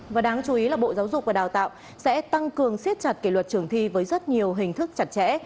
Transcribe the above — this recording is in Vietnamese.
và đáng chú ý là bộ giáo dục và đào tạo sẽ tăng cường siết chặt kỷ luật trường thi với rất nhiều hình thức chặt chẽ